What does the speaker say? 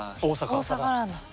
大阪なんだ。